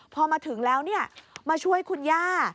พอมาถึงแล้วมาช่วยคุณย่า